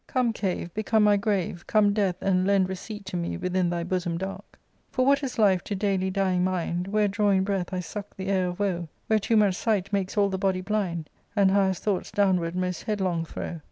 Come, cave, become my grave ; come, death, and lend Receipt to me within thy bosom dark. For what is life to daily dying mind. Where, drawing breath, I suck the air of woe ; Where too much sight makes all the body blind. And highest thoughts downward most headlong throw